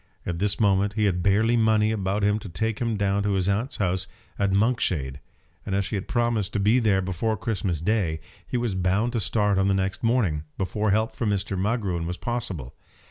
At this moment he had barely money about him to take him down to his aunt's house at Monkshade, and as he had promised to be there before Christmas Day, he was bound to start on the next morning, before help from Mr. Magruin was possible.